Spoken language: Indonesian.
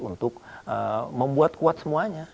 untuk membuat kuat semuanya